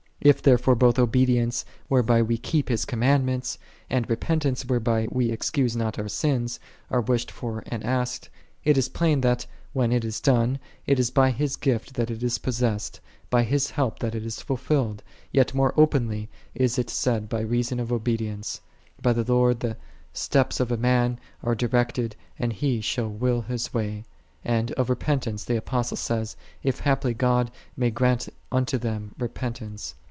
4 If, there ! fore, both obedience, whereby we keep His , commandments, and repentance whereby we excuse not our sins, are wished for and asked, it is plain that, when it is done, it is by His * i Cor. iv. 7. 3 Ps. cxix. 4 *." James i. 17. [See R. gift that it is possessed, by His help that it is tultilled, yet more openly is it said by reason of obedience, "By the Lord the steps of a man are directed, and He shall will His way:"5 and of repentance the Apostle says, " if haply God may grant unto them repent ance.